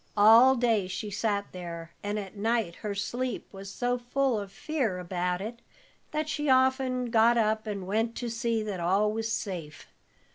All day she sat there, and at night her sleep was so full of fear about it, that she often got up and went to see that all was safe.